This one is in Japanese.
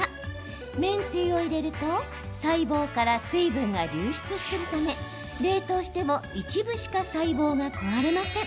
麺つゆを入れると細胞から水分が流出するため冷凍しても一部しか細胞が壊れません。